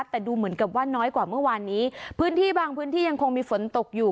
แต่ดูเหมือนกับว่าน้อยกว่าเมื่อวานนี้พื้นที่บางพื้นที่ยังคงมีฝนตกอยู่